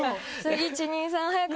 １・２・３早く。